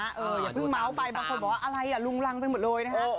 อย่าเพิ่งเมาส์ไปบางคนบอกว่าอะไรอ่ะลุงรังไปหมดเลยนะฮะ